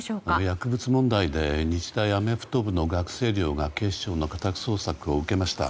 薬物問題で日大アメフト部の学生寮が警視庁の家宅捜索を受けました。